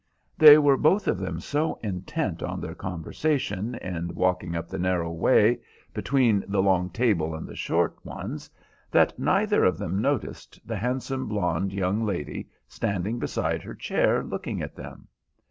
They were both of them so intent on their conversation in walking up the narrow way between the long table and the short ones, that neither of them noticed the handsome blonde young lady standing beside her chair looking at them.